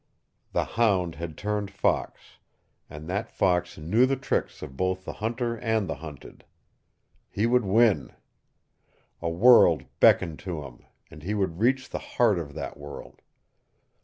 The hound had turned fox, and that fox knew the tricks of both the hunter and the hunted. He would win! A world beckoned to him, and he would reach the heart of that world.